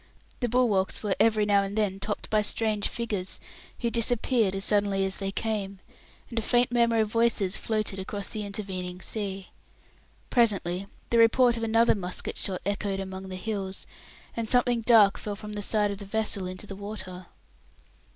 The bulwarks were every now and then topped by strange figures, who disappeared as suddenly as they came, and a faint murmur of voices floated across the intervening sea. Presently the report of another musket shot echoed among the hills, and something dark fell from the side of the vessel into the water.